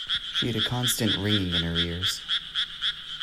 She had a constant ringing in her ears.